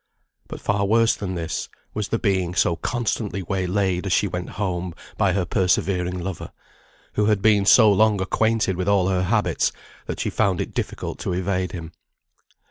But far worse than this, was the being so constantly waylaid as she went home by her persevering lover; who had been so long acquainted with all her habits, that she found it difficult to evade him.